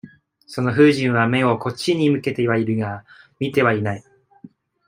その夫人は、眼をこっちに向けてはいるが、見てはいない。